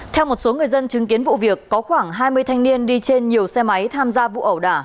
theo một số người dân chứng kiến vụ việc có khoảng hai mươi thanh niên đi trên nhiều xe máy tham gia vụ ẩu đả